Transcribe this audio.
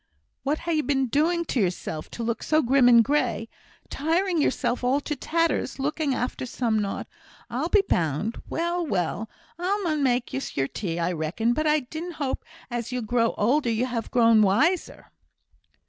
"What ha' ye been doing to yourself, to look so grim and grey? Tiring yourself all to tatters, looking after some naught, I'll be bound! Well! well! I mun make ye your tea, I reckon; but I did hope as you grew older you'd ha' grown wiser!"